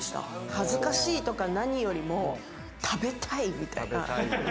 恥ずかしいとか何よりも食べたい！みたいな。